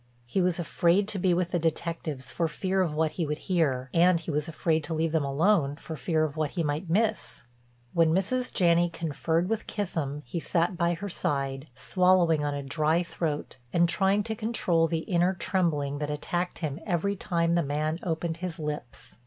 He was afraid to be with the detectives for fear of what he would hear, and he was afraid to leave them alone, for fear of what he might miss. When Mrs. Janney conferred with Kissam he sat by her side, swallowing on a dry throat, and trying to control the inner trembling that attacked him every time the man opened his lips.